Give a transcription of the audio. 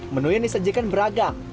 menu yang disajikan beragam